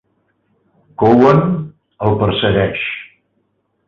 Cowan el persegueix.